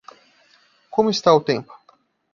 Como está o tempo?